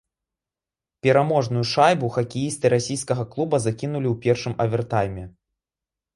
Пераможную шайбу хакеісты расійскага клуба закінулі ў першым авертайме.